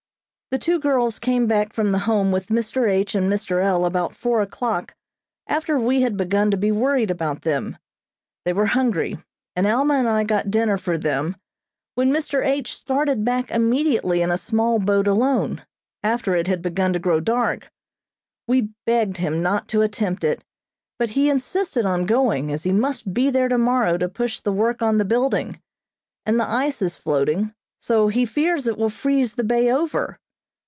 The two girls came back from the Home with Mr. H. and Mr. L. about four o'clock after we had begun to be worried about them. They were hungry, and Alma and I got dinner for them, when Mr. H. started back immediately in a small boat alone, after it had begun to grow dark. We begged him not to attempt it, but he insisted on going, as he must be there tomorrow to push the work on the building, and the ice is floating, so he fears it will freeze the bay over.